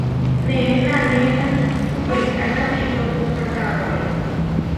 Neé nanéna weká nateyó puʼká kawái.